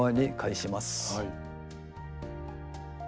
はい。